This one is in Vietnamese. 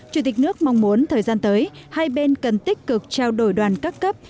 chủ tịch nước mong muốn thời gian tới hai bên cần tích cực trao đổi đoàn các cấp